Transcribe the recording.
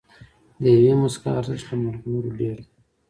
د یوې موسکا ارزښت له مرغلرو ډېر دی.